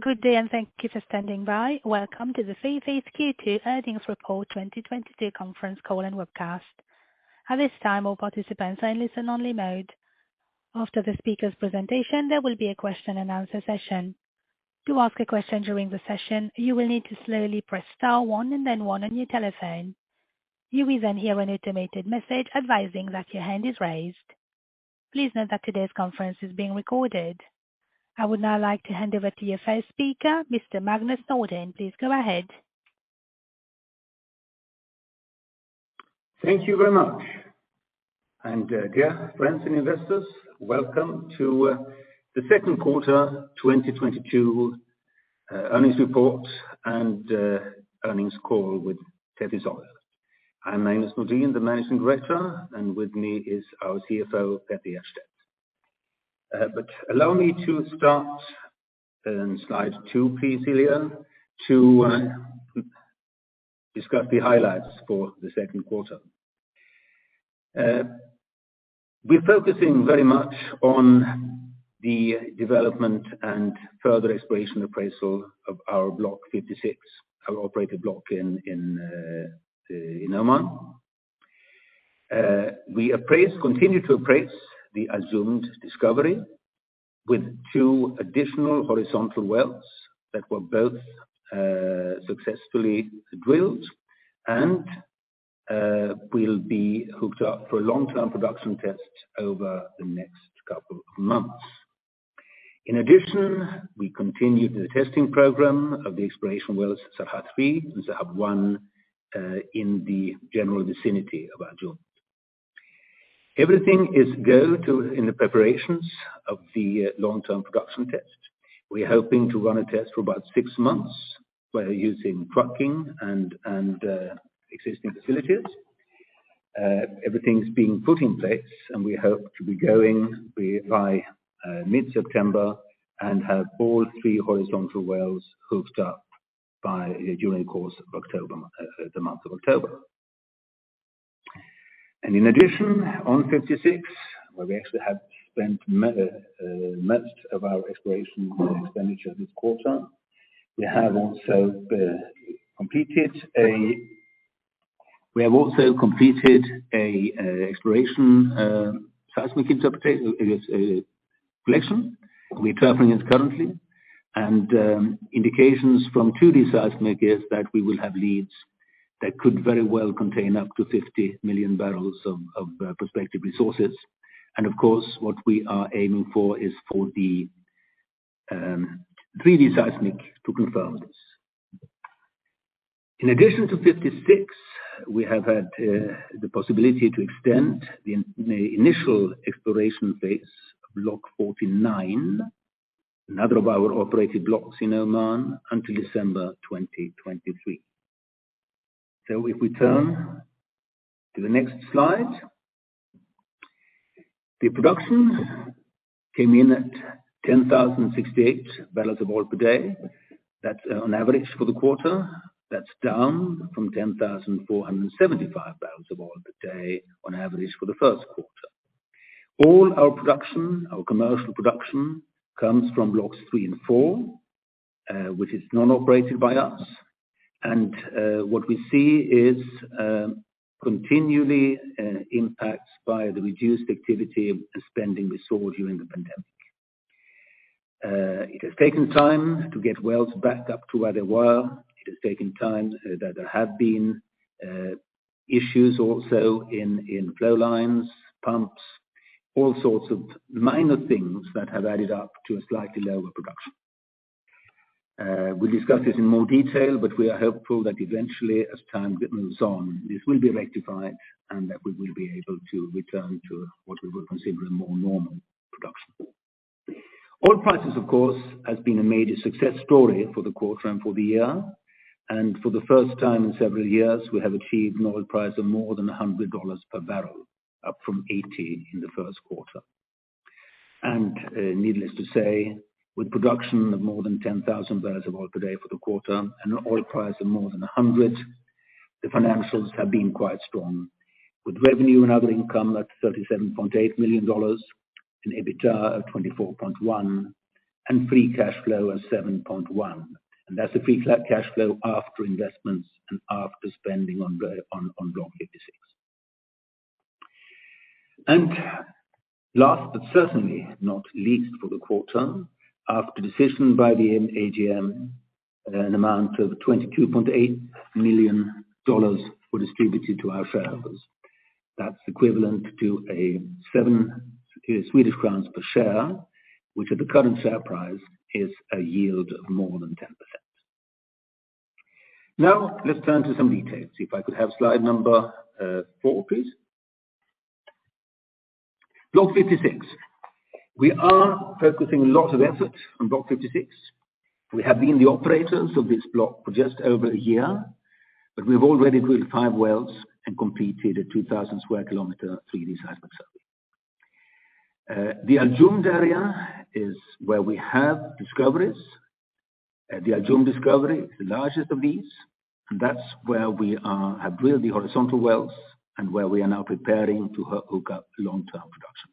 Good day, and thank you for standing by. Welcome to the Tethys Q2 Earnings Report 2022 conference call and webcast. At this time, all participants are in listen only mode. After the speaker's presentation, there will be a question and answer session. To ask a question during the session, you will need to slowly press star one and then one on your telephone. You will then hear an automated message advising that your hand is raised. Please note that today's conference is being recorded. I would now like to hand over to your first speaker, Mr. Magnus Nordin. Please go ahead. Thank you very much. Dear friends and investors, welcome to the second quarter 2022 earnings report and earnings call with Tethys Oil. My name is Nordin, the Managing Director, and with me is our CFO, Petter Hjertstedt. Allow me to start on slide two, please, Elia, to discuss the highlights for the second quarter. We're focusing very much on the development and further exploration appraisal of our Block 56, our operator block in Oman. We continue to appraise the Al Jumd discovery with two additional horizontal wells that were both successfully drilled and will be hooked up for long-term production tests over the next couple of months. In addition, we continued the testing program of the exploration wells, Sarha-3 and Sahab-1, in the general vicinity of our joint. Everything is good to go in the preparations of the long-term production test. We're hoping to run a test for about six months by using trucking and existing facilities. Everything's being put in place, and we hope to be going by mid-September and have all three horizontal wells hooked up during the course of October, the month of October. In addition, on 56, where we actually have spent most of our exploration expenditure this quarter, we have also completed an exploration seismic acquisition. We're interpreting it currently, and indications from 2D seismic is that we will have leads that could very well contain up to 50 million bbl of prospective resources. Of course, what we are aiming for is for the 3D seismic to confirm this. In addition to 56, we have had the possibility to extend the initial exploration phase of Block 49, another of our operated blocks in Oman, until December 2023. If we turn to the next slide. The production came in at 10,068 bbl of oil per day. That's on average for the quarter. That's down from 10,475 bbl of oil per day on average for the first quarter. All our production, our commercial production, comes from Blocks three and four, which is non-operated by us. What we see is continual impacts from the reduced activity and spending we saw during the pandemic. It has taken time to get wells backed up to where they were. It has taken time, there have been issues also in flow lines, pumps, all sorts of minor things that have added up to a slightly lower production. We'll discuss this in more detail, but we are hopeful that eventually, as time moves on, this will be rectified and that we will be able to return to what we would consider a more normal production. Oil prices, of course, has been a major success story for the quarter and for the year. For the first time in several years, we have achieved an oil price of more than $100 per bbl, up from $80 in the first quarter. Needless to say, with production of more than 10,000 bbl of oil per day for the quarter and oil prices of more than $100, the financials have been quite strong. With revenue and other income at $37.8 million, an EBITDA of $24.1 million, and free cash flow of $7.1 million. That's a free cash flow after investments and after spending on Block 56. Last, but certainly not least for the quarter, after decision by the AGM, an amount of $22.8 million were distributed to our shareholders. That's equivalent to 7 Swedish crowns per share, which at the current share price is a yield of more than 10%. Now, let's turn to some details. If I could have slide number four, please. Block 56. We are focusing a lot of effort on Block 56. We have been the operators of this block for just over a year, but we've already drilled five wells and completed a 2,000 sq km 3D seismic survey. The Al Jumd area is where we have discoveries. The Al Jumd discovery is the largest of these, and that's where we have drilled the horizontal wells and where we are now preparing to hook up long-term production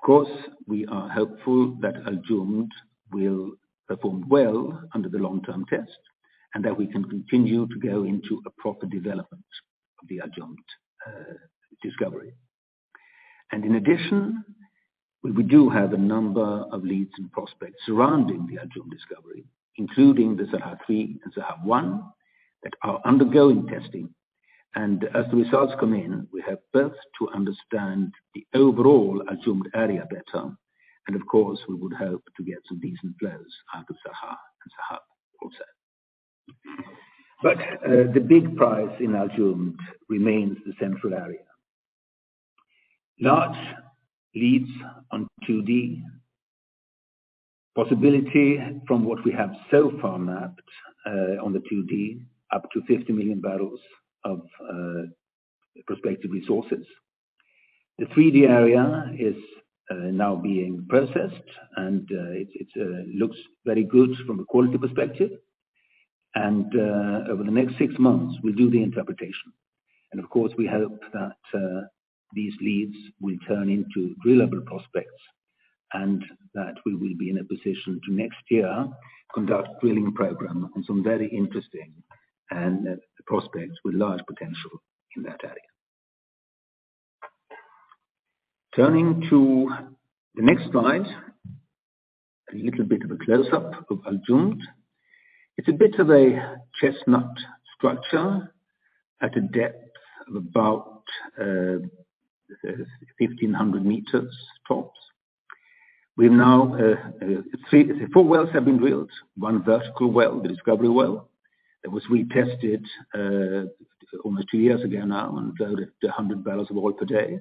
tests. Of course, we are hopeful that Al Jumd will perform well under the long-term test, and that we can continue to go into a proper development of the Al Jumd discovery. In addition, we do have a number of leads and prospects surrounding the Al Jumd discovery, including the Sarha-3 and Sarha-1 that are undergoing testing. As the results come in, we hope both to understand the overall Al Jumd area better, and of course, we would hope to get some decent flows out of Sarha and Sahab also. The big prize in Al Jumd remains the central area. Large leads on 2D. Possibility from what we have so far mapped, on the 2D, up to 50 million bbl of prospective resources. The 3D area is now being processed and it looks very good from a quality perspective. Over the next six months we'll do the interpretation. Of course, we hope that these leads will turn into reliable prospects and that we will be in a position to next year conduct drilling program on some very interesting and prospects with large potential in that area. Turning to the next slide, a little bit of a close up of Al Jumd. It's a bit of a Cretaceous structure at a depth of about 1,500 m tops. We've now four wells have been drilled, one vertical well, the discovery well. It was retested almost two years ago now and flowed at 100 bbl of oil per day.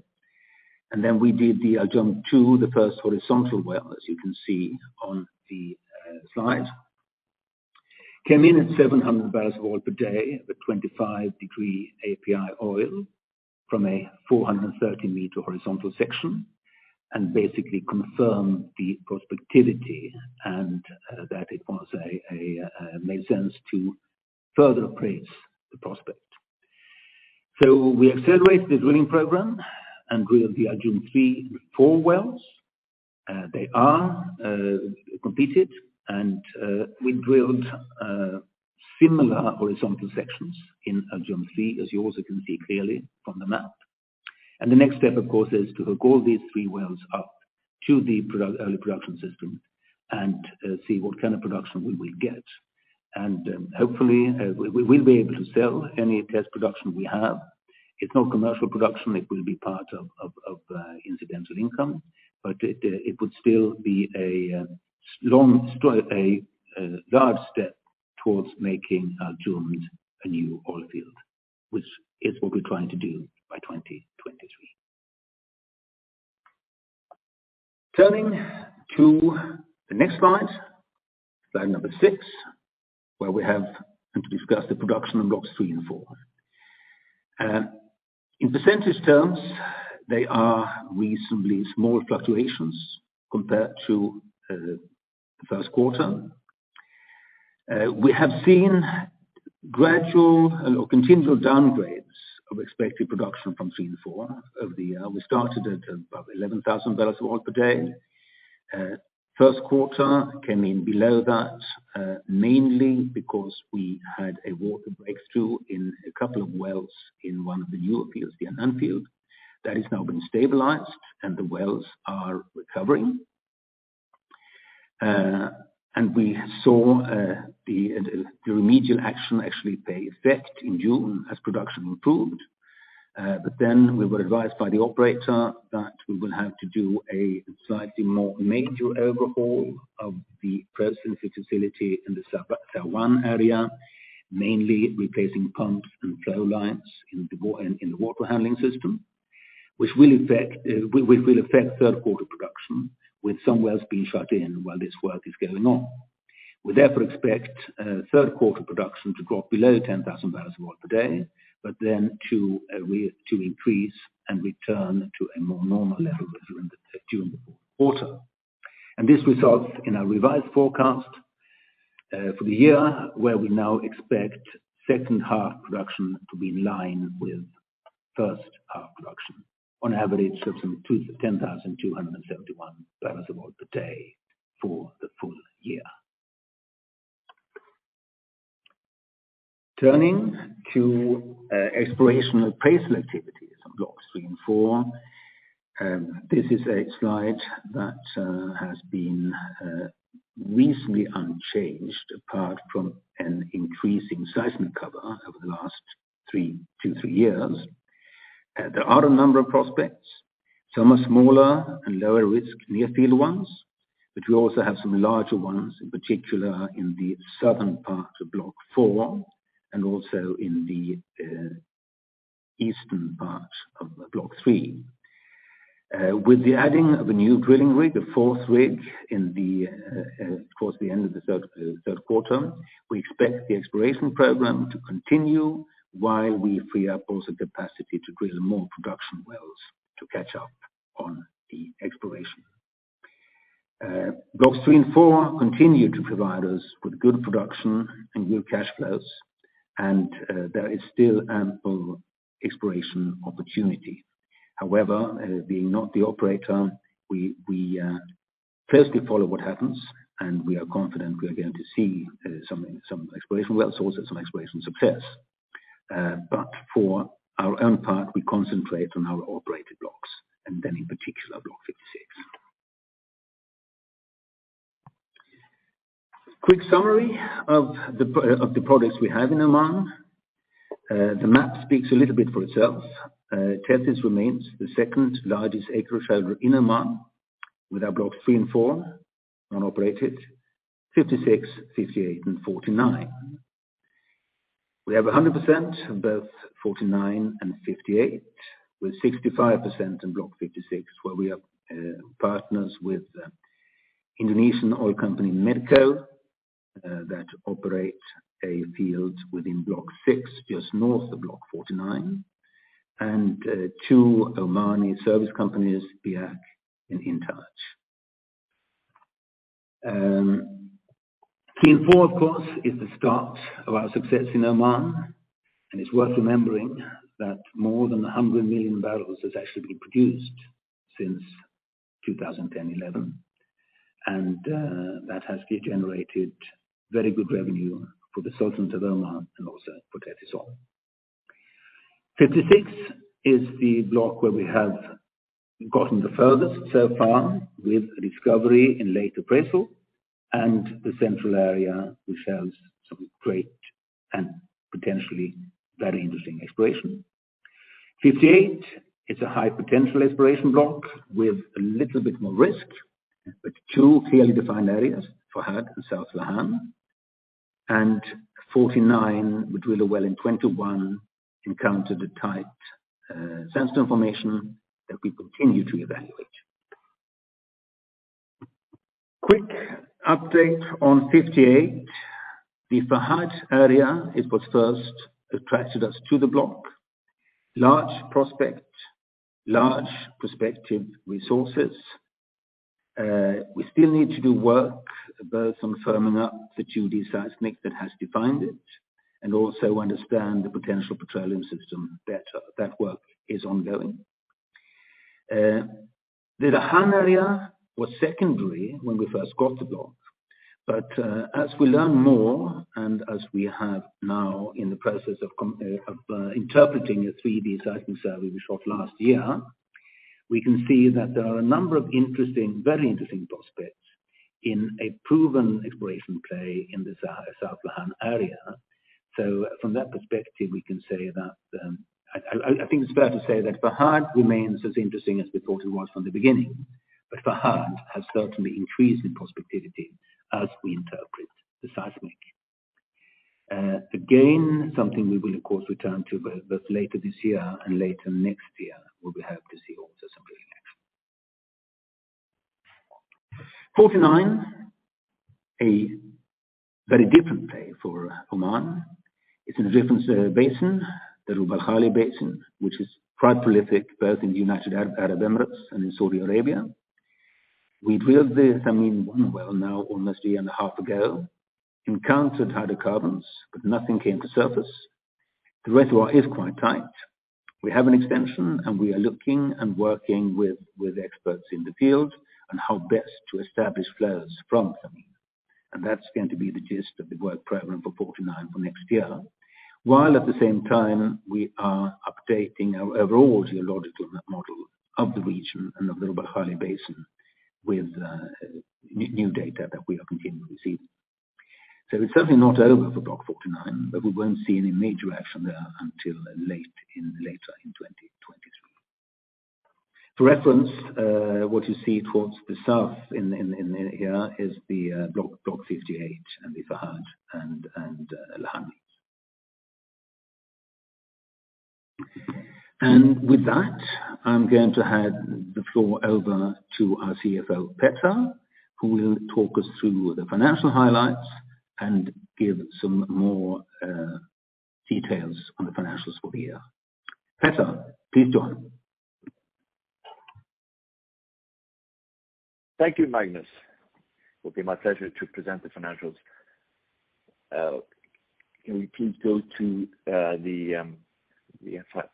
Then we did the Al Jumd-2, the first horizontal well, as you can see on the slide. It came in at 700 bbl of oil per day at a 25-degree API oil from a 430-m horizontal section and basically confirmed the prospectivity and that it made sense to further appraise the prospect. We accelerated the drilling program and drilled the Al Jumd-3 and four wells. They are completed, and we drilled similar horizontal sections in Al Jumd-3, as you also can see clearly from the map. The next step, of course, is to hook all these three wells up to the early production system and see what kind of production we will get. Hopefully, we will be able to sell any test production we have. It's not commercial production, it will be part of incidental income, but it would still be a large step towards making Al Jumd a new oil field, which is what we're trying to do by 2023. Turning to the next slide number six, where we have to discuss the production on Blocks three and four. In percentage terms, they are reasonably small fluctuations compared to the first quarter. We have seen gradual or continual downgrades of expected production from three and four over the year. We started at about 11,000 bbl of oil per day. First quarter came in below that, mainly because we had a water breakthrough in a couple of wells in one of the newer fields, the Enas field, that has now been stabilized and the wells are recovering. We saw the remedial action actually pay off in June as production improved. We were advised by the operator that we will have to do a slightly more major overhaul of the processing facility in the Sarha-1 area, mainly replacing pumps and flow lines in the water handling system, which will affect third quarter production with some wells being shut in while this work is going on. We therefore expect third quarter production to drop below 10,000 bbl of oil per day, but then to increase and return to a more normal level during the fourth quarter. This results in our revised forecast for the year where we now expect second half production to be in line with first half production on average of some 10,271 bbl of oil per day for the full-year. Turning to exploration and appraisal activities on blocks three and four. This is a slide that has been reasonably unchanged apart from an increasing seismic cover over the last two or three years. There are a number of prospects. Some are smaller and lower risk near field ones, but we also have some larger ones in particular in the southern part of Block four and also in the eastern part of Block three. With the adding of a new drilling rig, a fourth rig towards the end of the third quarter, we expect the exploration program to continue while we free up also capacity to drill more production wells to catch up on the exploration. Blocks three and four continue to provide us with good production and good cash flows, and there is still ample exploration opportunity. However, being not the operator, we closely follow what happens, and we are confident we are going to see some exploration successes. For our own part, we concentrate on our operated blocks and then in particular Block 56. Quick summary of the projects we have in Oman. The map speaks a little bit for itself. Tethys remains the second-largest acreage holder in Oman with our Blocks three and four non-operated, 56, 58, and 49. We have 100% of both 49 and 58, with 65% in Block 56, where we are partners with Indonesian oil company Medco that operates a field within Block 56, just north of Block 49, and two Omani service companies, Biyaq and Intaj. Blocks three and four, of course, is the start of our success in Oman, and it's worth remembering that more than 100 million bbl has actually been produced since 2011. That has generated very good revenue for the Sultanate of Oman and also for Tethys Oil. 56 is the block where we have gotten the furthest so far with discovery in late appraisal and the central area which has some great and potentially very interesting exploration. 58 is a high potential exploration block with a little bit more risk, but two clearly defined areas, Fahad and South Lahan, and 49, which with a well in 2021 encountered a tight sandstone formation that we continue to evaluate. Quick update on 58. The Fahad area, it was first attracted us to the block. Large prospect, large prospective resources. We still need to do work both on firming up the 2D seismic that has defined it and also understand the potential petroleum system better. That work is ongoing. The Lahan area was secondary when we first got the block, but as we learn more and as we have now in the process of interpreting a 3D seismic survey we shot last year, we can see that there are a number of interesting, very interesting prospects in a proven exploration play in the South Lahan area. From that perspective, we can say that I think it's fair to say that Fahad remains as interesting as we thought it was from the beginning, but Fahad has certainly increased in prospectivity as we interpret the seismic. Again, something we will of course return to both later this year and later next year, where we hope to see also some drilling action. 49, a very different play for Oman. It's in a different basin, the Rub al Khali Basin, which is quite prolific both in the United Arab Emirates and in Saudi Arabia. We drilled the Thameen-1 well now almost a year and a half ago. Encountered hydrocarbons, but nothing came to surface. The reservoir is quite tight. We have an extension, and we are looking and working with experts in the field on how best to establish flows from Thameen. That's going to be the gist of the work program for 49 for next year. While at the same time, we are updating our overall geological model of the region and of Rub al Khali Basin with new data that we are continuing to receive. It's certainly not over for Block 49, but we won't see any major action there until late in, later in 2023. For reference, what you see towards the south in here is the block, Block 58 and the Fahad and Lahan. With that, I'm going to hand the floor over to our CFO, Petter, who will talk us through the financial highlights and give some more details on the financials for the year. Petter, please join. Thank you, Magnus. Will be my pleasure to present the financials. Can we please go to the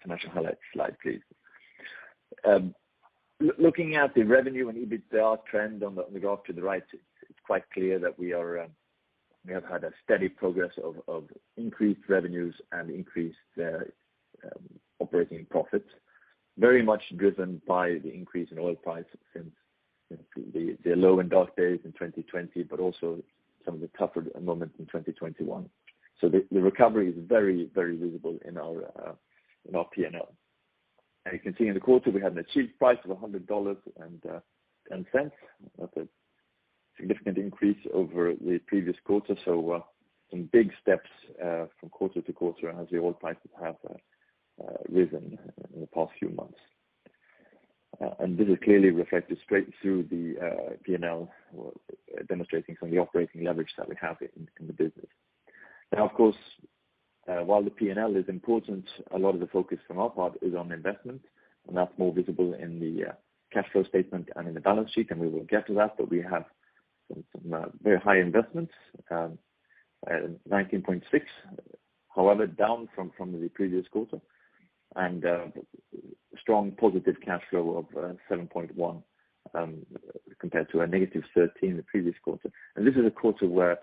financial highlights slide, please? Looking at the revenue and EBITDA trend on the graph to the right, it's quite clear that we have had a steady progress of increased revenues and increased operating profit, very much driven by the increase in oil price since the low and dark days in 2020, but also some of the tougher moments in 2021. The recovery is very visible in our P&L. As you can see in the quarter, we had an achieved price of $100.10. That's a significant increase over the previous quarter. Some big steps from quarter-over-quarter as the oil prices have risen in the past few months. This is clearly reflected straight through the P&L, demonstrating some of the operating leverage that we have in the business. Now, of course, while the P&L is important, a lot of the focus from our part is on investment, and that's more visible in the cash flow statement and in the balance sheet, and we will get to that. We have some very high investments. $19.6, however, down from the previous quarter, and strong positive cash flow of $7.1 compared to -$13 the previous quarter. This is a quarter where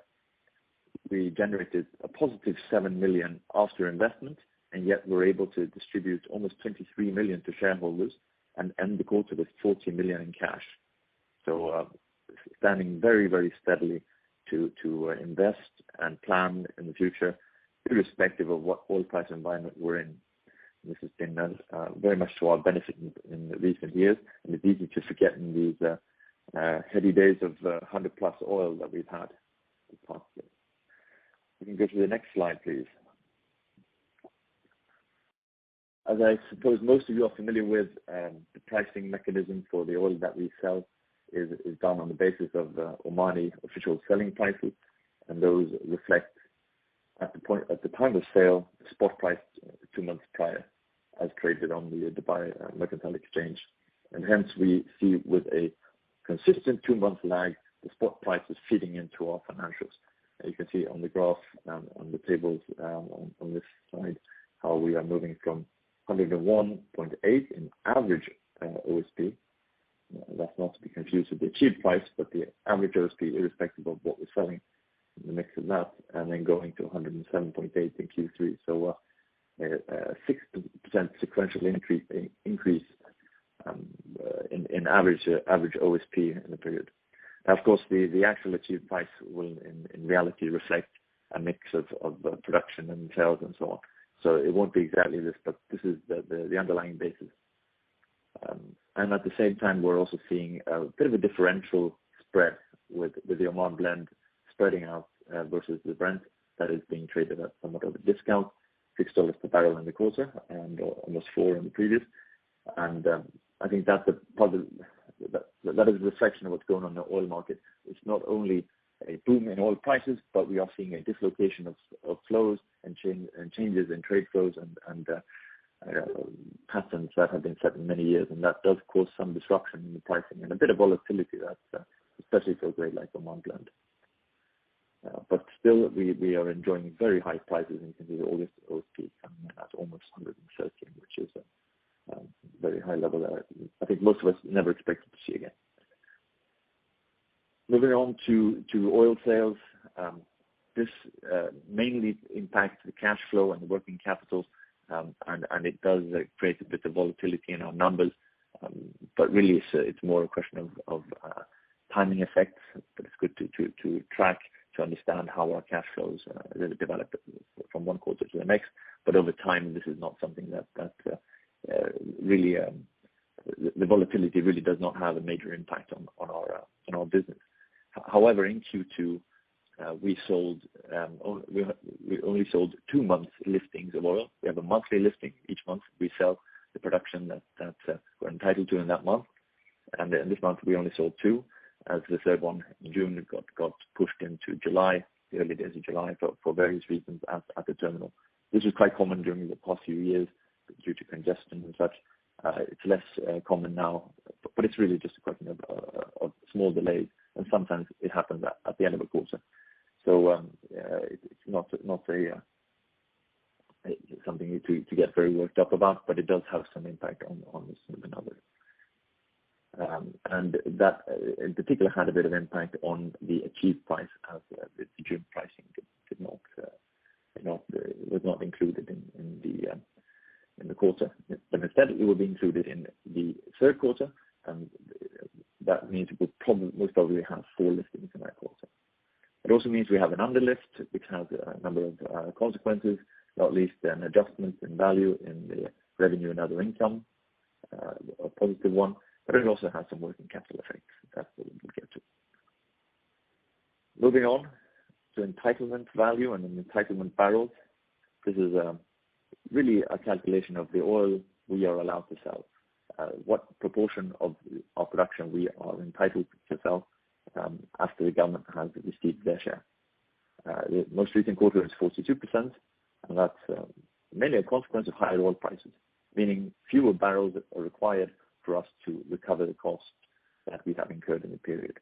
we generated a positive $7 million after investment, and yet we're able to distribute almost $23 million to shareholders and the quarter with $40 million in cash. Standing very, very steadily to invest and plan in the future irrespective of what oil price environment we're in. This has been very much to our benefit in recent years, and it's easy to forget in these heady days of $100+ oil that we've had in the past years. You can go to the next slide, please. As I suppose most of you are familiar with, the pricing mechanism for the oil that we sell is done on the basis of Omani official selling prices. Those reflect at the point, at the time of sale, the spot price two months prior, as traded on the Dubai Mercantile Exchange. Hence we see with a consistent two-month lag, the spot prices feeding into our financials. As you can see on the graph, on the tables, on this slide, how we are moving from 101.8 in average OSP. That's not to be confused with the achieved price, but the average OSP, irrespective of what we're selling, the mix of that, and then going to 107.8 in Q3. A 6% sequential increase in average OSP in the period. Of course, the actual achieved price will in reality reflect a mix of production and sales and so on. It won't be exactly this, but this is the underlying basis. At the same time, we're also seeing a bit of a differential spread with the Oman Blend spreading out versus the Brent that is being traded at somewhat of a discount, $6 per bbl in the quarter and almost $4 in the previous. I think that's a positive. That is a reflection of what's going on in the oil market. It's not only a boom in oil prices, but we are seeing a dislocation of flows and change, and changes in trade flows and patterns that have been set in many years. That does cause some disruption in the pricing and a bit of volatility that especially for a grade like Oman Blend. Still, we are enjoying very high prices, and you can see all this OSP coming in at almost $113, which is a very high level that I think most of us never expected to see again. Moving on to oil sales. This mainly impacts the cash flow and the working capital, and it does create a bit of volatility in our numbers. Really it's more a question of timing effects, but it's good to track to understand how our cash flows really developed from one quarter to the next. Over time, this is not something that really the volatility really does not have a major impact on our business. However, in Q2, we only sold two months' liftings of oil. We have a monthly lifting. Each month, we sell the production that we're entitled to in that month. Then this month we only sold two. As the third one in June got pushed into July, the early days of July, for various reasons at the terminal. This is quite common during the past few years due to congestion and such. It's less common now, but it's really just a question of small delays, and sometimes it happens at the end of a quarter. It's not a something to get very worked up about, but it does have some impact on some of another. That in particular had a bit of impact on the achieved price as the June pricing was not included in the quarter. Instead, it will be included in the third quarter, and that means we'll most probably have four listings in that quarter. It also means we have an underlist, which has a number of consequences, not least an adjustment in value in the revenue and other income, a positive one, but it also has some working capital effects. That's what we'll get to. Moving on to entitlement value and then entitlement barrels. This is really a calculation of the oil we are allowed to sell, what proportion of our production we are entitled to sell, after the government has received their share. The most recent quarter is 42%, and that's mainly a consequence of higher oil prices, meaning fewer barrels are required for us to recover the cost that we have incurred in the period.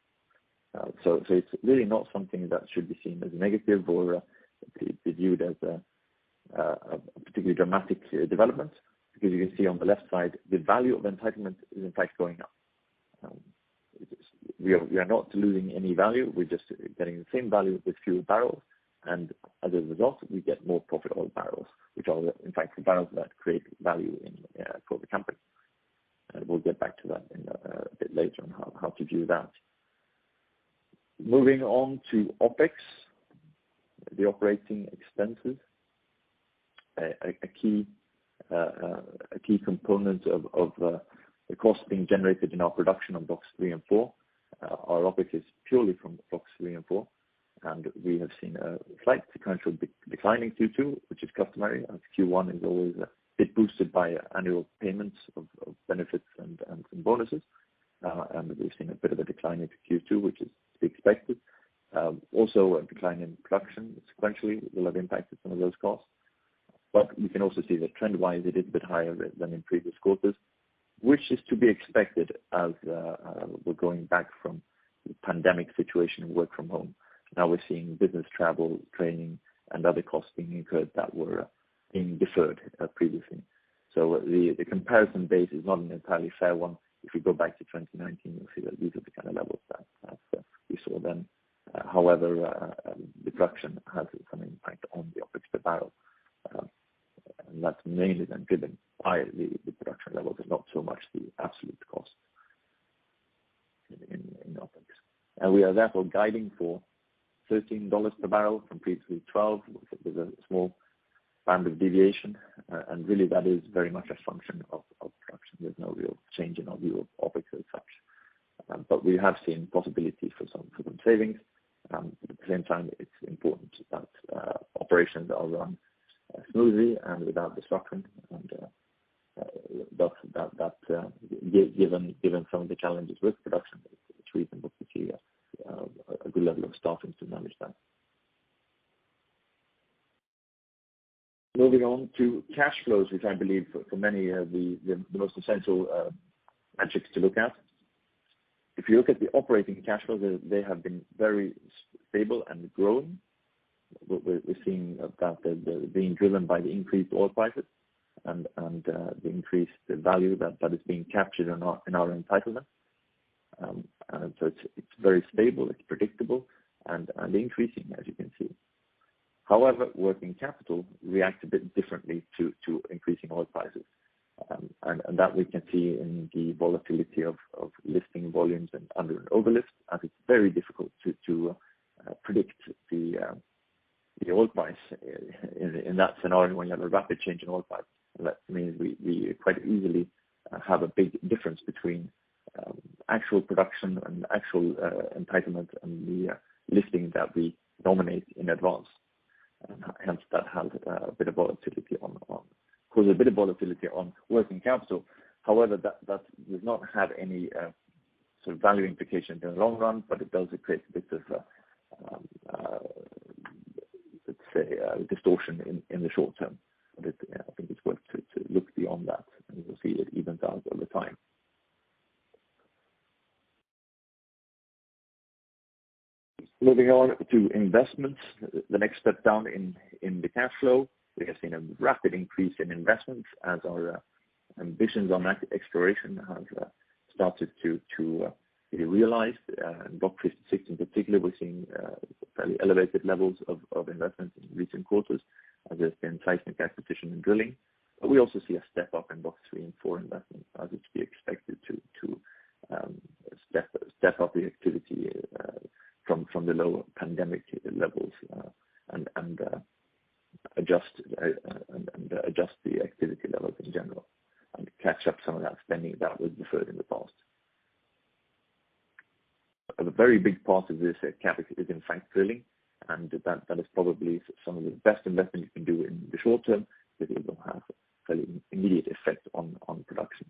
It's really not something that should be seen as negative or be viewed as a particularly dramatic development, because you can see on the left side, the value of entitlement is in fact going up. We are not losing any value. We're just getting the same value with fewer barrels, and as a result, we get more profit oil barrels, which are in fact the barrels that create value in for the company. We'll get back to that in a bit later on how to do that. Moving on to OpEx, the operating expenses. A key component of the cost being generated in our production on blocks three and four. Our OpEx is purely from blocks three and four, and we have seen a slight sequential decline in Q2, which is customary, as Q1 is always a bit boosted by annual payments of benefits and bonuses. We've seen a bit of a decline in Q2, which is to be expected. Also a decline in production sequentially will have impacted some of those costs. You can also see that trend-wise, they're a bit higher than in previous quarters, which is to be expected as we're coming back from the pandemic situation and work from home. Now we're seeing business travel, training, and other costs being incurred that were being deferred previously. The comparison base is not an entirely fair one. If you go back to 2019, you'll see that these are the kind of levels that we saw then. However, the production has some impact on the OpEx per barrel, and that's mainly then driven by the production levels and not so much the absolute cost in OpEx. We are therefore guiding for $13 per bbl compared to $12 with a small standard deviation. Really that is very much a function of production. There's no real change in our view of OpEx as such. But we have seen possibilities for some further savings. At the same time, it's important that operations are run smoothly and without disruption and that given some of the challenges with production, it's reasonable to see a good level of staffing to manage that. Moving on to cash flows, which I believe for many are the most essential metrics to look at. If you look at the operating cash flows, they have been very stable and growing. We're seeing that they're being driven by the increased oil prices and the increased value that is being captured in our entitlement. It's very stable, it's predictable and increasing as you can see. However, working capital reacts a bit differently to increasing oil prices. That we can see in the volatility of lifting volumes and under- and over-lift, and it's very difficult to predict the oil price in that scenario when you have a rapid change in oil price. That means we quite easily have a big difference between actual production and actual entitlement and the lifting that we nominate in advance. Hence that causes a bit of volatility on working capital. However, that does not have any sort of value implication in the long run, but it does create a bit of, let's say, a distortion in the short term. I think it's worth to look beyond that, and you will see it evens out over time. Moving on to investments, the next step down in the cash flow. We have seen a rapid increase in investments as our ambitions on that exploration have started to be realized. In Block 56 in particular, we're seeing fairly elevated levels of investments in recent quarters, and there's been seismic acquisition and drilling. We also see a step up in Block three and four investments as is to be expected to step up the activity from the low pandemic levels, and adjust the activity levels in general and catch up some of that spending that was deferred in the past. A very big part of this CapEx is in fact drilling, and that is probably some of the best investment you can do in the short term, because it will have fairly immediate effect on production.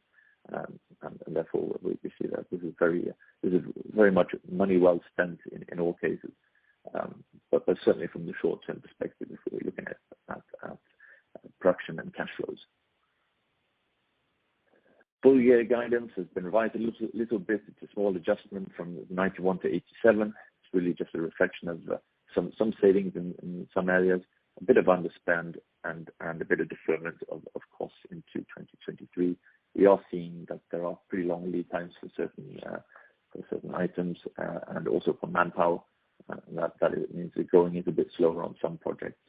Therefore, we see that this is very much money well spent in all cases. Certainly from the short term perspective, if we're looking at production and cash flows. Full-year guidance has been revised a little bit. It's a small adjustment from 91-87. It's really just a reflection of some savings in some areas, a bit of underspend and a bit of deferment of course into 2023. We are seeing that there are pretty long lead times for certain items and also for manpower. That means we're going a little bit slower on some projects,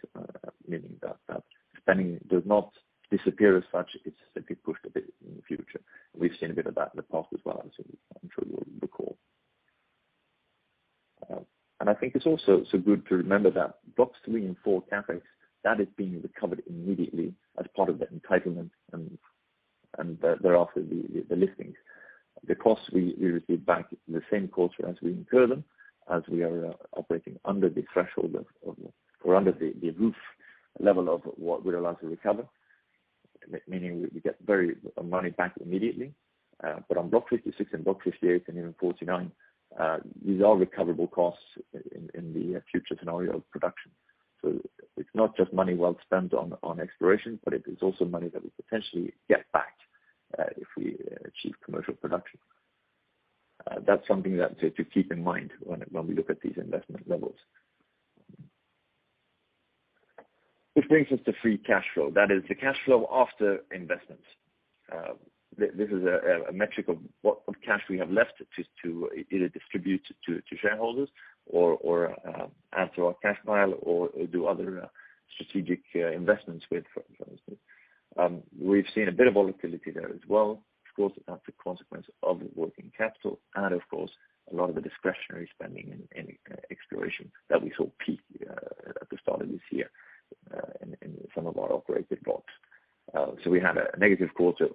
meaning that spending does not disappear as much. It's simply pushed a bit in the future. We've seen a bit of that in the past as well, as I'm sure you'll recall. I think it's also so good to remember that Blocks three and four CapEx is being recovered immediately as part of the entitlement and thereafter the liftings. The costs we receive back the same quarter as we incur them, as we are operating under the threshold. We're under the roof level of what we're allowed to recover, meaning we get our money back immediately. But on Block 56 and Block 58 and even 49, these are recoverable costs in the future scenario of production. It's not just money well spent on exploration, but it is also money that we potentially get back if we achieve commercial production. That's something to keep in mind when we look at these investment levels. Which brings us to free cash flow. That is the cash flow after investments. This is a metric of what cash we have left to either distribute to shareholders or add to our cash pile or do other strategic investments with, for instance. We've seen a bit of volatility there as well. Of course, that's a consequence of working capital and of course, a lot of the discretionary spending in exploration that we saw peak at the start of this year in some of our operated blocks. We had a negative quarter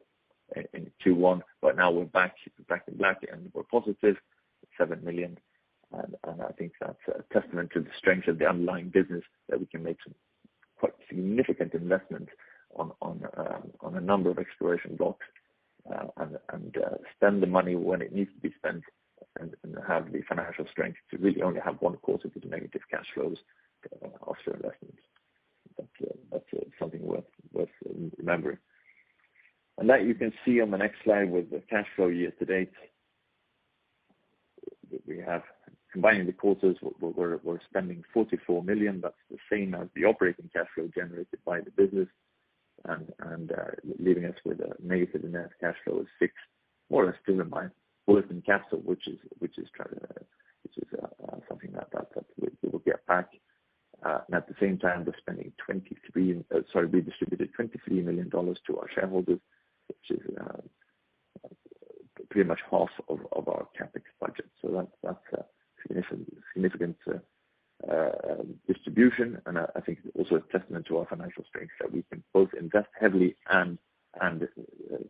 in 2021, but now we're back in the black and we're positive $7 million. I think that's a testament to the strength of the underlying business that we can make quite significant investment on a number of exploration blocks and spend the money when it needs to be spent and have the financial strength to really only have one quarter with the negative cash flows after investments. That's something worth remembering. You can see on the next slide with the cash flow year to date. We have combining the quarters, we're spending $44 million. That's the same as the operating cash flow generated by the business, leaving us with a negative net cash flow of $6 million, more or less, give or take, within CapEx, which is something that we will get back. At the same time, we distributed $23 million to our shareholders, which is pretty much half of our CapEx budget. That's a significant distribution. I think also a testament to our financial strength that we can both invest heavily and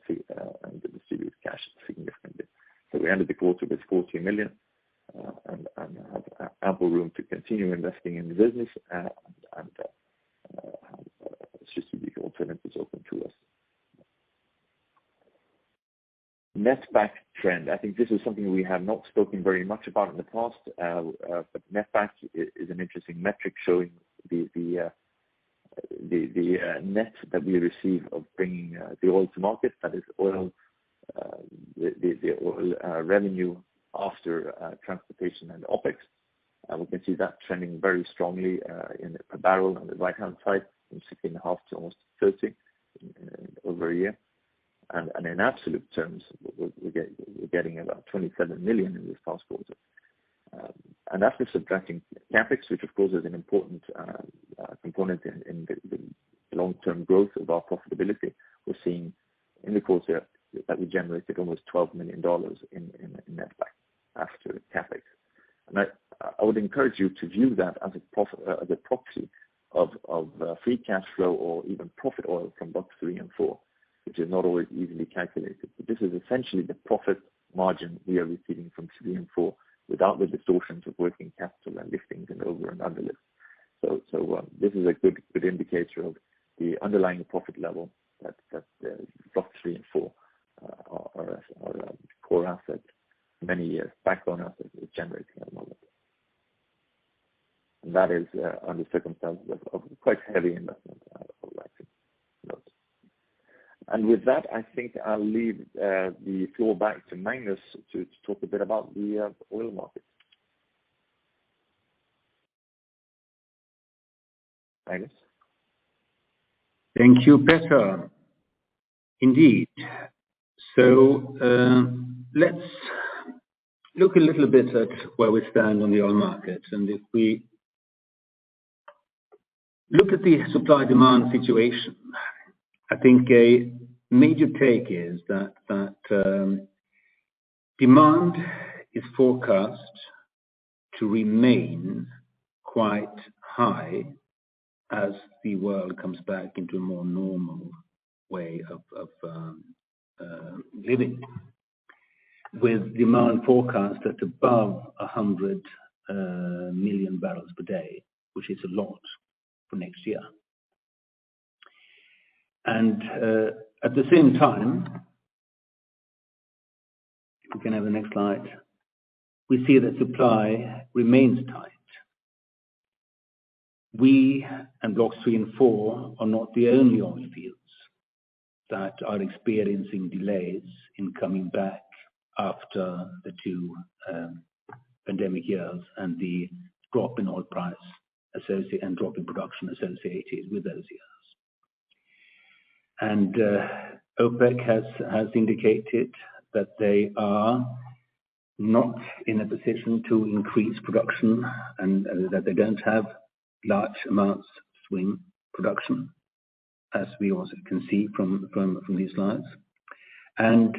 distribute cash significantly. We ended the quarter with $40 million and have ample room to continue investing in the business and have distribution alternatives open to us. Netback trend, I think this is something we have not spoken very much about in the past. But netback is an interesting metric showing the net that we receive of bringing the oil to market. That is the oil revenue after transportation and OpEx. We can see that trending very strongly in a barrel on the right-hand side, from $16.5 million to almost $30 million over a year. In absolute terms, we're getting about $27 million in this past quarter. After subtracting CapEx, which of course is an important component in the long-term growth of our profitability, we're seeing in the quarter that we generated almost $12 million in netback after CapEx. I would encourage you to view that as a proxy of free cash flow or even profit oil from Blocks three and four, which is not always easily calculated. This is essentially the profit margin we are receiving from three and four without the distortions of working capital and liftings and over- and under-liftings. This is a good indicator of the underlying profit level that Blocks three and four are core assets, many years' backbone assets are generating at the moment. That is under circumstances of quite heavy investment. With that, I think I'll leave the floor back to Magnus to talk a bit about the oil market. Magnus? Thank you, Petter. Indeed. Let's look a little bit at where we stand on the oil market. If we look at the supply/demand situation, I think a major take is that demand is forecast to remain quite high as the world comes back into a more normal way of living. With demand forecast at above 100 million bbl per day, which is a lot for next year. At the same time, if we can have the next slide, we see that supply remains tight. Blocks three and four are not the only oil fields that are experiencing delays in coming back after the two pandemic years and the drop in oil price and drop in production associated with those years. OPEC has indicated that they are not in a position to increase production and that they don't have large amounts of swing production, as we also can see from these slides. In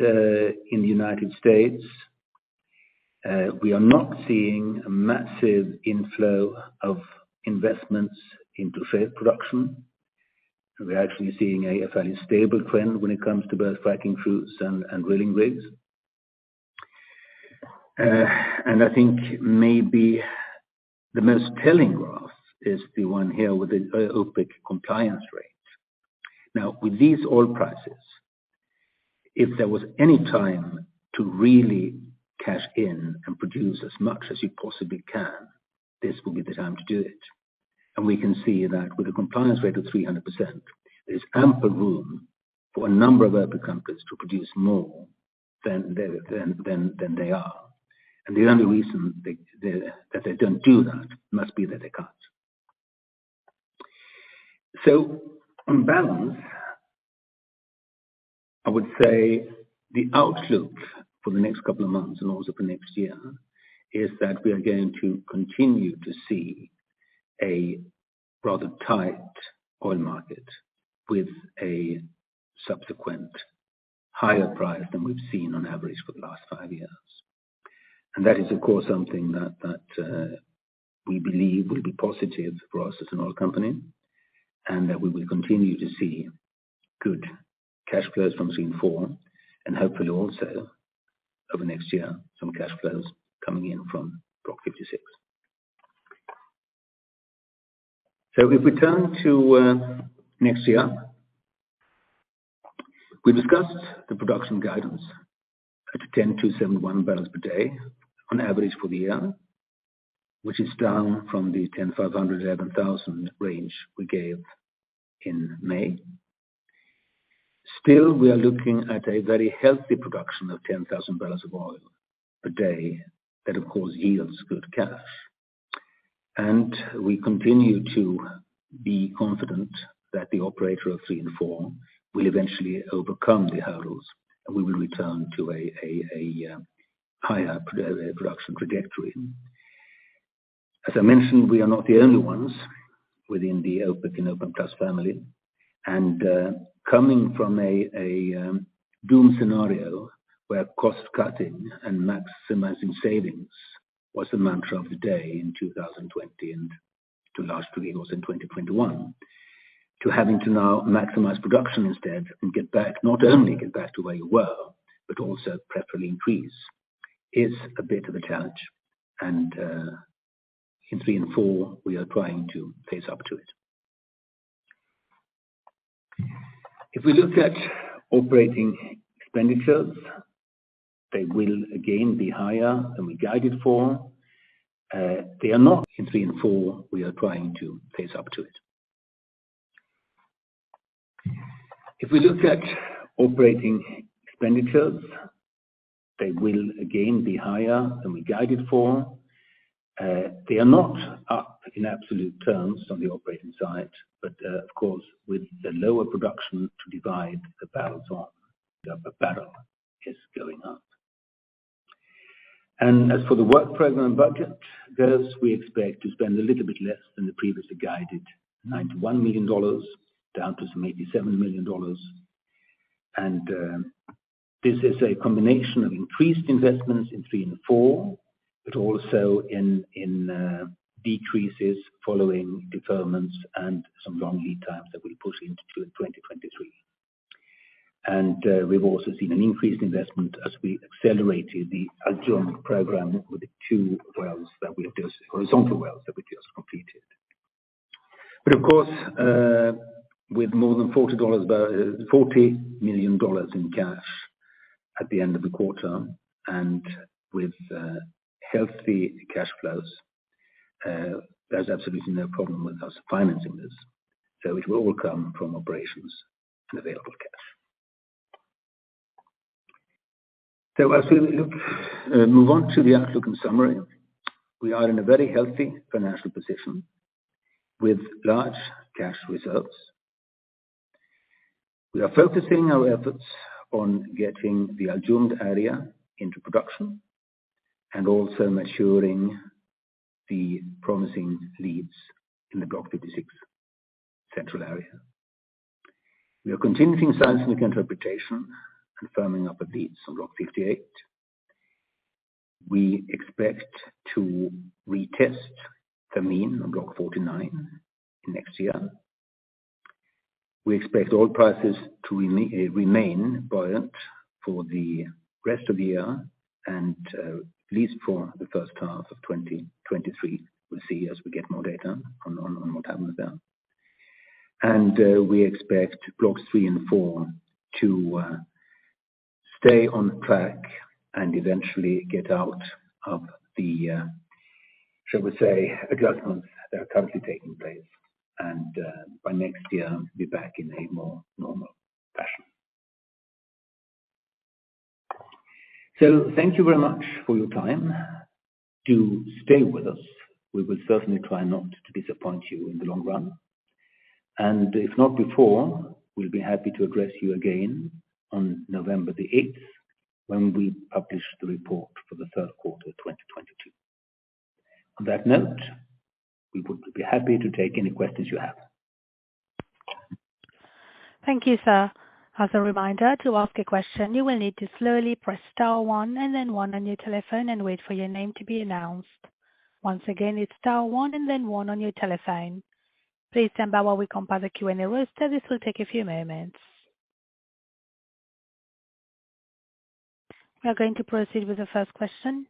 the United States, we are not seeing a massive inflow of investments into production. We're actually seeing a fairly stable trend when it comes to both fracking fleets and drilling rigs. I think maybe the most telling graph is the one here with the OPEC compliance rates. With these oil prices, if there was any time to really cash in and produce as much as you possibly can, this will be the time to do it. We can see that with a compliance rate of 300%, there is ample room for a number of OPEC countries to produce more than they are. The only reason that they don't do that must be that they can't. On balance, I would say the outlook for the next couple of months and also for next year is that we are going to continue to see a rather tight oil market with a subsequent higher price than we've seen on average for the last five years. That is, of course, something that we believe will be positive for us as an oil company, and that we will continue to see good cash flows from Blocks three and four, and hopefully also over next year, some cash flows coming in from Block 56. If we turn to next year, we discussed the production guidance at 10-71 bbl per day on average for the year, which is down from the 10,500-11,000 range we gave in May. Still, we are looking at a very healthy production of 10,000 bbl of oil per day that of course yields good cash. We continue to be confident that the operator of Blocks three and four will eventually overcome the hurdles, and we will return to a higher production trajectory. As I mentioned, we are not the only ones within the open-class family. Coming from a doom scenario where cost-cutting and maximizing savings was the mantra of the day in 2020, and to last three months in 2021, to having to now maximize production instead and get back, not only get back to where you were, but also preferably increase, is a bit of a challenge. In three and four, we are trying to face up to it. If we look at operating expenditures, they will again be higher than we guided for. They are not up in absolute terms on the operating side, but of course with the lower production to divide the barrels on, the barrel is going up. As for the work program budget, this we expect to spend a little bit less than the previously guided $91 million, down to some $87 million. This is a combination of increased investments in three and four but also decreases following deferments and some long lead times that we push into Q2 2023. We've also seen an increased investment as we accelerated the Al Jumd program with the two horizontal wells that we just completed. Of course, with more than $40 million in cash at the end of the quarter and with healthy cash flows, there's absolutely no problem with us financing this. It will come from operations and available cash. As we move on to the outlook and summary, we are in a very healthy financial position with large cash reserves. We are focusing our efforts on getting the Al Jumd area into production and also maturing the promising leads in the Block 56 central area. We are continuing seismic interpretation, confirming our leads on Block 58. We expect to retest Thameen on Block 49 next year. We expect oil prices to remain buoyant for the rest of the year and at least for the first half of 2023. We'll see as we get more data on what happens there. We expect Blocks three and four to stay on track and eventually get out of the shall we say, adjustments that are currently taking place, and by next year be back in a more normal fashion. Thank you very much for your time. Do stay with us. We will certainly try not to disappoint you in the long run. If not before, we'll be happy to address you again on November 8, when we publish the report for the third quarter of 2022. On that note, we would be happy to take any questions you have. Thank you, sir. As a reminder to ask a question, you will need to slowly press star one and then one on your telephone and wait for your name to be announced. Once again, it's star one and then one on your telephone. Please stand by while we compile the Q&A roster. This will take a few moments. We are going to proceed with the first question.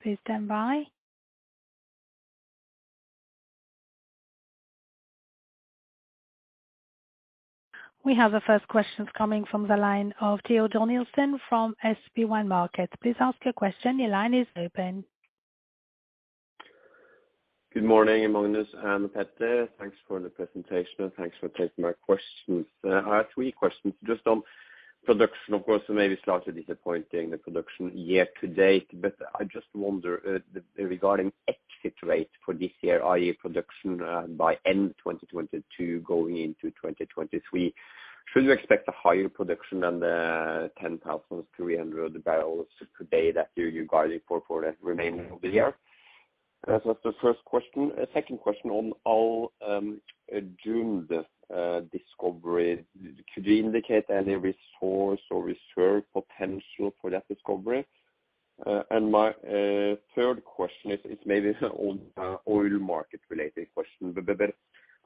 Please stand by. We have the first questions coming from the line of Teodor Nilsen from SP1 Markets. Please ask your question. Your line is open. Good morning, Magnus and Petter. Thanks for the presentation and thanks for taking my questions. I have three questions. Just on production, of course, maybe slightly disappointing the production year to date, but I just wonder the regarding exit rate for this year, i.e. production, by end 2022, going into 2023. Should you expect a higher production than the 10,300 bbl per day that you're guiding for the remaining of the year? That was the first question. Second question on Al Jumd discovery. Could you indicate any resource or reserve potential for that discovery? My third question is maybe on oil market related question.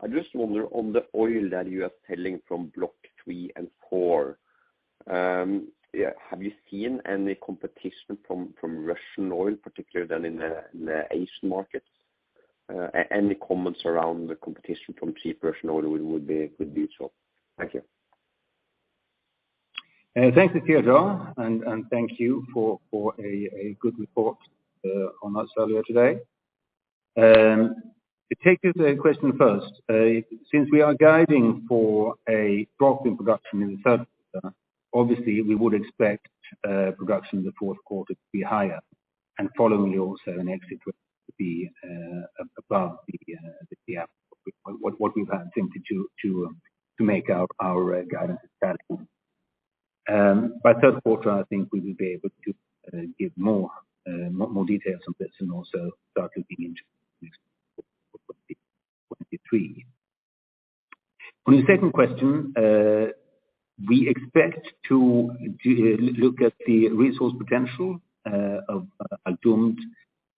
I just wonder on the oil that you are selling from Block three and four, have you seen any competition from Russian oil, particularly in the Asian markets? Any comments around the competition from cheap Russian oil would be useful. Thank you. Thank you, Theo, and thank you for a good report on us earlier today. To take your question first, since we are guiding for a drop in production in the third quarter, obviously we would expect production in the fourth quarter to be higher. Following also an exit rate to be above the full what we've had to do to make our guidance stand. By third quarter, I think we will be able to give more details on this and also start looking into next quarter, 2023. On the second question, we expect to look at the resource potential of Al Jumd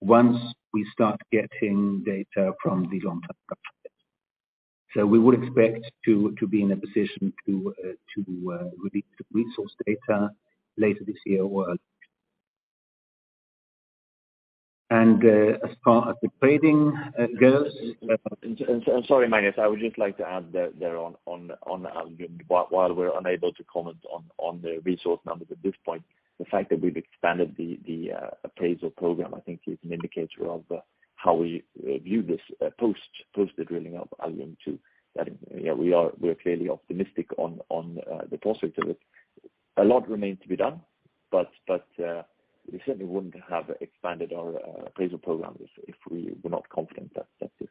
once we start getting data from the long-term project. We would expect to be in a position to release resource data later this year, or as far as the trading goes. Sorry, Magnus, I would just like to add there on Al Jumd. While we're unable to comment on the resource numbers at this point, the fact that we've expanded the appraisal program, I think is an indicator of how we view this post the drilling of Al Jumd-2. That, yeah, we're clearly optimistic on the prospects of it. A lot remains to be done, but we certainly wouldn't have expanded our appraisal program if we were not confident that this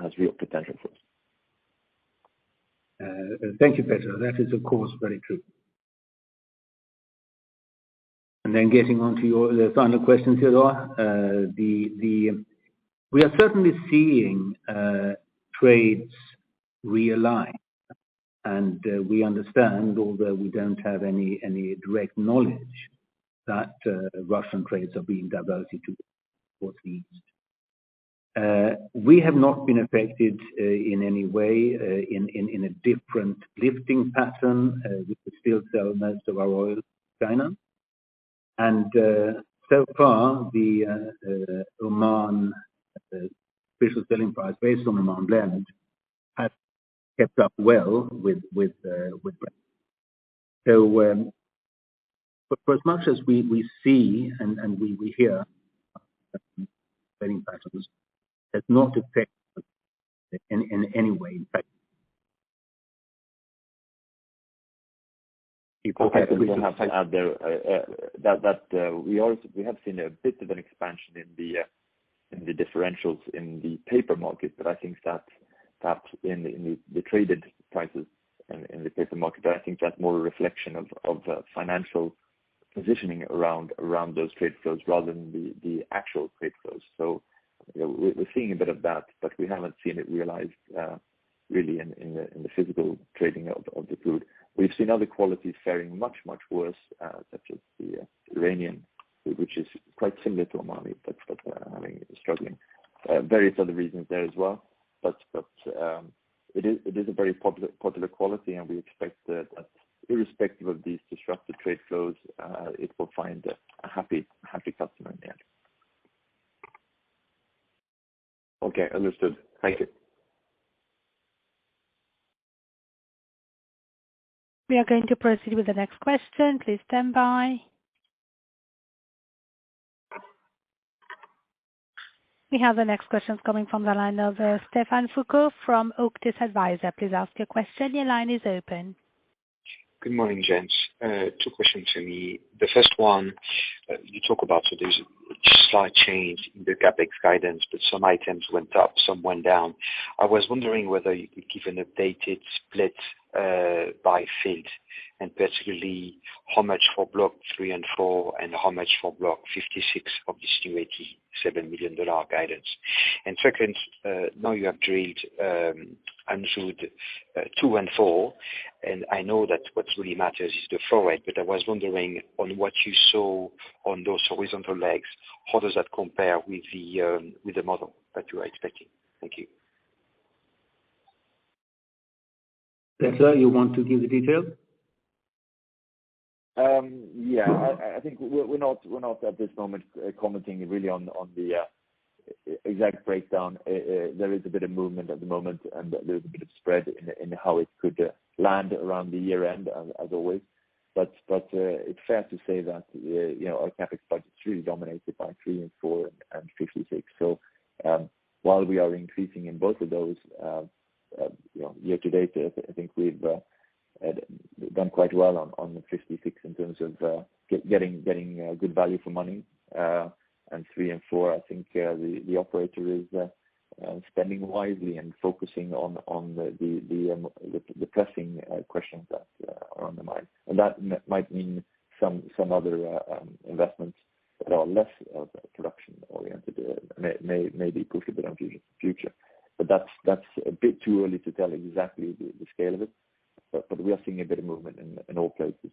has real potential for us. Thank you, Petter. That is, of course, very true. Getting on to your final question, Theo. We are certainly seeing trades realign, and we understand, although we don't have any direct knowledge that Russian trades are being diverted to the East. We have not been affected in any way in a different lifting pattern. We could still sell most of our oil to China. So far the Oman official selling price based on Oman Blend has kept up well with Russia. For as much as we see and we hear trading patterns, has not affected in any way, in fact. If I could just have to add there, that we have seen a bit of an expansion in the differentials in the paper market, but I think that in the traded prices in the paper market, I think that's more a reflection of financial positioning around those trade flows rather than the actual trade flows. You know, we're seeing a bit of that, but we haven't seen it realized really in the physical trading of the crude. We've seen other qualities faring much worse, such as the Iranian, which is quite similar to Omani, but I mean, struggling. Various other reasons there as well. It is a very popular quality, and we expect that irrespective of these disrupted trade flows, it will find a happy customer in the end. Okay. Understood. Thank you. We are going to proceed with the next question. Please stand by. We have the next questions coming from the line of, Stéphane Foucaud from Auctus Advisors. Please ask your question. Your line is open. Good morning, gents. Two questions for me. The first one, you talk about today's slight change in the CapEx guidance, but some items went up, some went down. I was wondering whether you could give an updated split, by field, and particularly how much for Block three and four, and how much for Block 56 of this new $87 million guidance. Second, now you have drilled Al Jumd-2 and Al Jumd-3, and I know that what really matters is the forward, but I was wondering on what you saw on those horizontal legs, how does that compare with the model that you are expecting? Thank you. Petter, you want to give the details? Yeah. I think we're not at this moment commenting really on the exact breakdown. There is a bit of movement at the moment, and there's a bit of spread in how it could land around the year-end as always. It's fair to say that, you know, our CapEx budget is really dominated by three and four and 56. While we are increasing in both of those, you know, year to date, I think we've done quite well on the 56 in terms of getting good value for money, and three and four, I think, the operator is spending wisely and focusing on the pressing questions that are on the mind. That might mean some other investments that are less production-oriented may be pushed a bit into the future. That's a bit too early to tell exactly the scale of it. We are seeing a bit of movement in all places.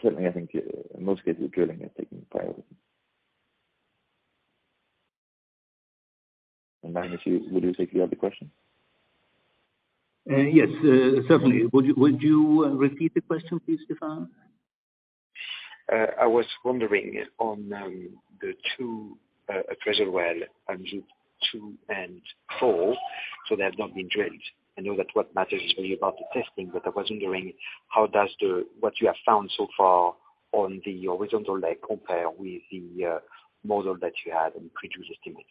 Certainly, I think in most cases, the drilling is taking priority. Magnus, would you say if you have the question? Yes, certainly. Would you repeat the question please, Stefan? I was wondering on the two treasure well, Al Jumd-2 and four, so they have not been drilled. I know that what matters is really about the testing, but I was wondering how does what you have found so far on the horizontal leg compare with the model that you had in the previous estimate?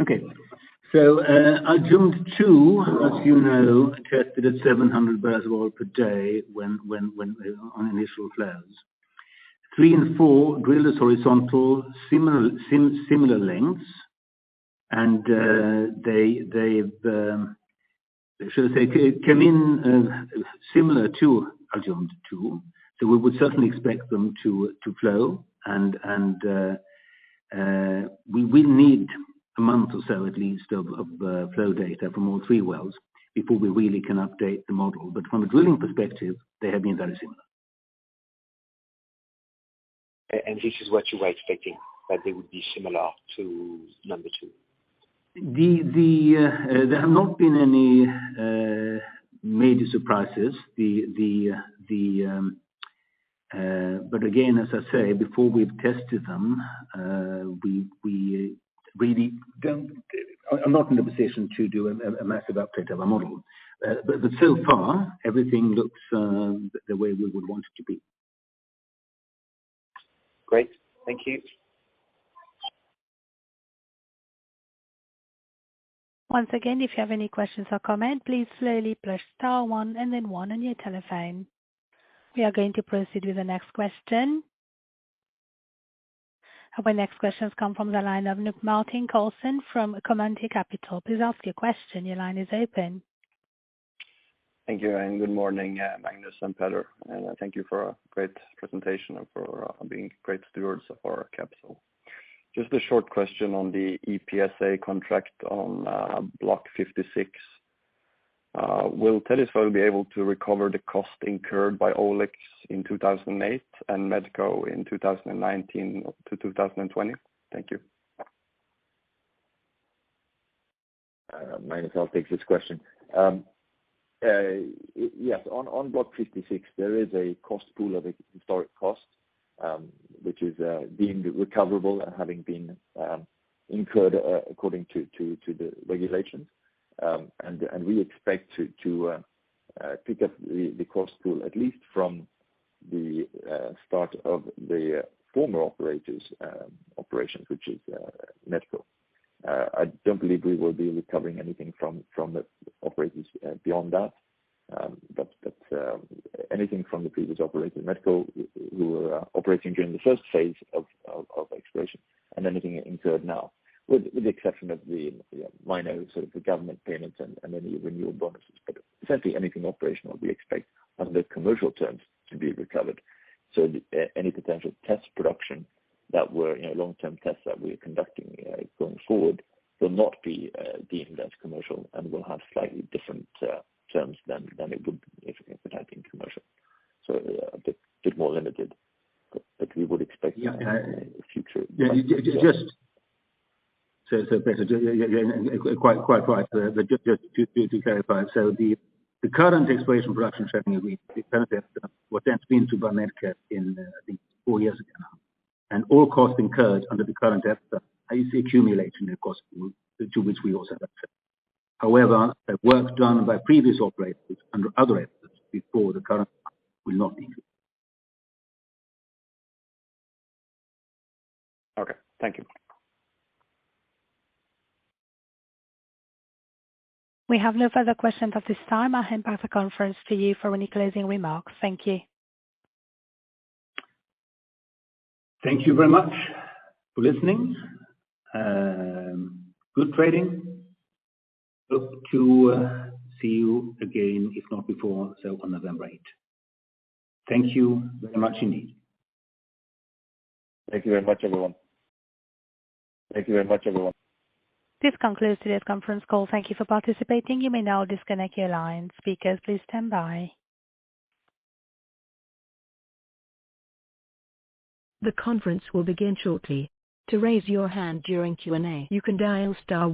Okay. Al Jumd-2, as you know, tested at 700 bbl oil per day when on initial flows. Three and four drilled as horizontal, similar lengths. They came in similar to Al Jumd-2. We would certainly expect them to flow. We will need a month or so, at least of flow data from all three wells before we really can update the model. From a drilling perspective, they have been very similar. This is what you were expecting, that they would be similar to number two? There have not been any major surprises. Again, as I say, before we've tested them, we really don't. I'm not in a position to do a massive update of our model. So far everything looks the way we would want it to be. Great. Thank you. Once again, if you have any questions or comments, please slowly press star one and then one on your telephone. We are going to proceed with the next question. Our next question has come from the line of Luke Martin Coulson from Comenta Capital. Please ask your question. Your line is open. Thank you, and good morning, Magnus and Petter, and thank you for a great presentation and for being great stewards of our capital. Just a short question on the EPSA contract on Block 56. Will Tethys be able to recover the cost incurred by Oilex in 2008 and Medco in 2019 to 2020? Thank you. Magnus, I'll take this question. Yes. On Block 56, there is a cost pool of historic costs, which is deemed recoverable and having been incurred according to the regulations. We expect to pick up the cost pool, at least from the start of the former operator's operations, which is Medco. I don't believe we will be recovering anything from the operators beyond that. Anything from the previous operator, Medco, we were operating during the first phase of exploration and anything incurred now with the exception of the minor sort of government payments and any renewal bonuses. Essentially anything operational we expect under commercial terms to be recovered. Any potential test production that we're, you know, long-term tests that we're conducting going forward will not be deemed as commercial and will have slightly different terms than it would if they had been commercial. A bit more limited, but we would expect. Yeah. In the future. Just so Petter, yeah, quite right. Just to clarify. The current exploration production sharing agreement, the current effort, was entered into by Medco in, I think four years ago now. All costs incurred under the current effort is accumulating a cost pool to which we also have access. However, the work done by previous operators under other efforts before the current will not be included. Okay, thank you. We have no further questions at this time. I'll hand back the conference to you for any closing remarks. Thank you. Thank you very much for listening. Good trading. Hope to see you again, if not before, say on November eighth. Thank you very much indeed. Thank you very much, everyone. This concludes today's conference call. Thank you for participating. You may now disconnect your line. Speakers, please stand by. The conference will begin shortly. To raise your hand during Q&A, you can dial star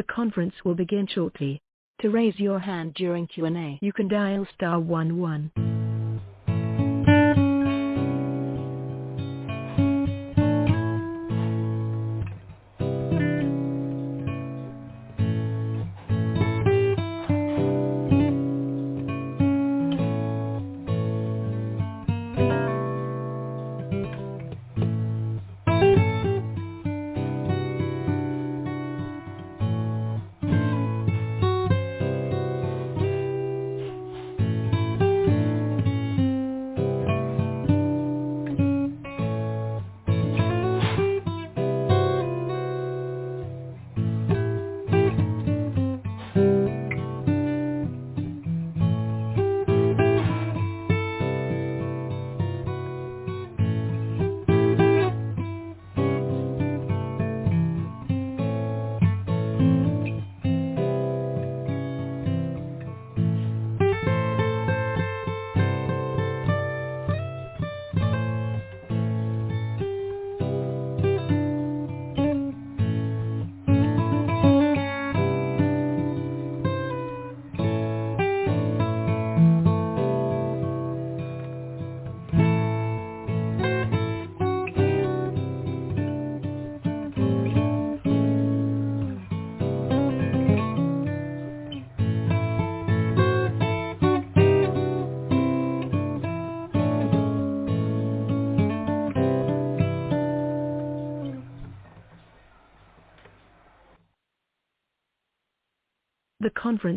one one.